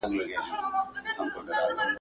خلک ډېر وه تر درباره رسېدلي.